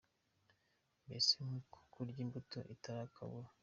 Mbese ni nko kurya imbuto itarakura”.